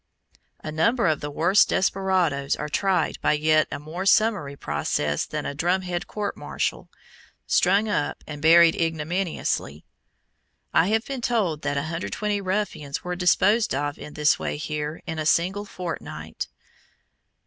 A number of the worst desperadoes are tried by a yet more summary process than a drumhead court martial, "strung up," and buried ignominiously. I have been told that 120 ruffians were disposed of in this way here in a single fortnight.